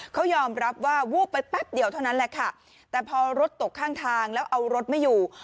เขายอมรับว่าวูบไปแป๊บเดียวเท่านั้นแหละค่ะแต่พอรถตกข้างทางแล้วเอารถไม่อยู่